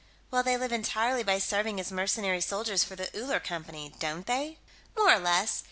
"Well, they live entirely by serving as mercenary soldiers for the Uller Company, don't they?" "More or less.